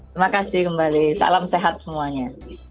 terima kasih kembali salam sehat semuanya